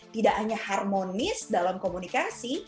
tidak hanya harmonis dalam komunikasi